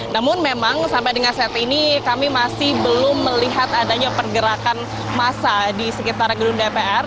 namun memang sampai dengan saat ini kami masih belum melihat adanya pergerakan masa di sekitar gedung dpr